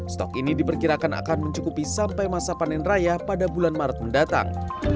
stok ini diperkirakan akan mencukupi sampai masa panen raya pada bulan maret mendatang